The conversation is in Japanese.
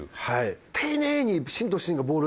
丁寧に芯と芯がボール